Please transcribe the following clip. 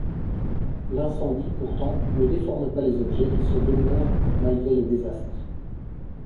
L'incendie, pourtant, ne déforme pas les objets qui se demeurent malgré le désastre.